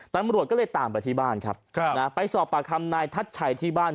ตำรวจก็เลยตามไปที่บ้านครับนะไปสอบปากคำนายทัชชัยที่บ้าน